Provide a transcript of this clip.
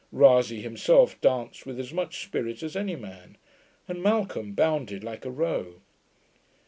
Rasay himself danced with as much spirit as any man, and Malcolm bounded like a roe.